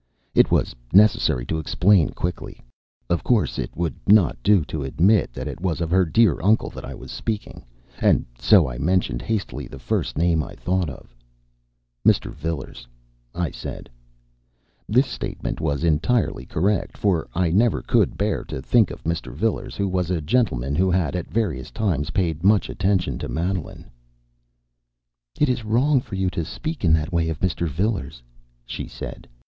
It was necessary to explain quickly. Of course, it would not do to admit that it was of her dear uncle that I was speaking; and so I mentioned hastily the first name I thought of. "Mr. Vilars," I said. This statement was entirely correct; for I never could bear to think of Mr. Vilars, who was a gentleman who had, at various times, paid much attention to Madeline. "It is wrong for you to speak in that way of Mr. Vilars," she said.